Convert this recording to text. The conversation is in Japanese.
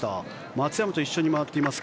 松山と一緒に回っています